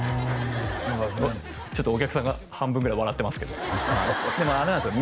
ちょっとお客さんが半分ぐらい笑ってますけどでもあれなんすよ